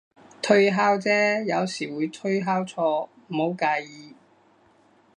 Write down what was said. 推敲啫，有時會推敲錯，唔好介意